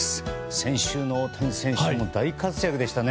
先週の大谷選手も大活躍でしたね。